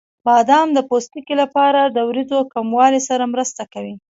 بادام د پوستکي لپاره د وریځو کموالي سره مرسته کوي.